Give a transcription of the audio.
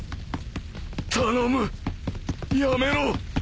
頼むやめろ。